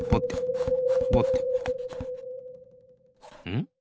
ん？